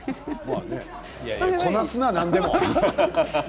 こなすな、何でも。